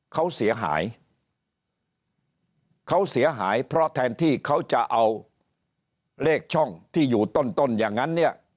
เขาเสียหายเขาเสียหายเพราะแทนที่เขาจะเอาเลขช่องที่อยู่ต้นต้นอย่างนั้นเนี่ย